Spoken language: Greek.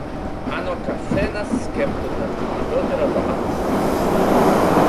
Αν ο καθένας σκέπτονταν λιγότερο το άτομο του